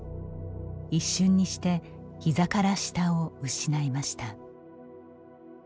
一瞬にしてひざから下を失いました。